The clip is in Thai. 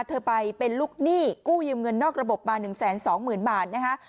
เธอไปเป็นลูกหนี้กู้ยืมเงินนอกระบบมา๑๒๐๐๐บาทนะคะ